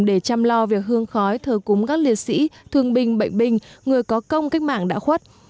để chăm lo việc hương khói thờ cúng các liệt sĩ thương binh bệnh binh người có công cách mạng đã khuất